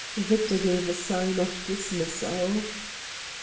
Victor gave a sign of dismissal.